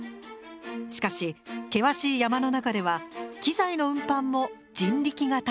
しかし険しい山の中では機材の運搬も人力が頼りです。